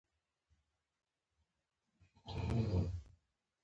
هغه د یووالي او سولې غوښتنه کوله.